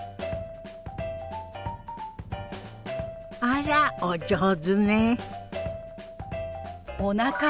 あらお上手ね。